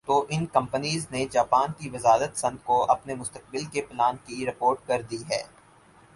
تو ان کمپنیز نےجاپان کی وزارت صنعت کو اپنے مستقبل کے پلان کی رپورٹ کر دی ھے